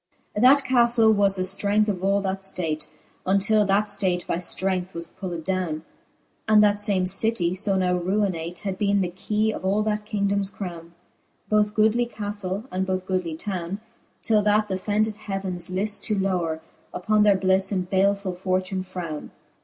XXVI. That ca{lle was the flrength of all that {late, Untill that Hate by {Irength was pulled downe. And that fame citie, fo now ruinate. Had beene the keye of all that kingdomes crowne ; Both goodly ca{lle, and both goodly towne. Till that th'offended heavens lift to lowre Upon their blifTe, and balefull fortune frowne.